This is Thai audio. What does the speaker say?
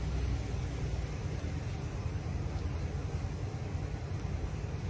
สวัสดีครับ